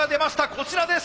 こちらです。